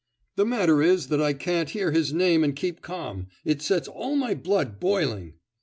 'The matter is, that I can't hear his name and keep calm; it sets all my blood boiling!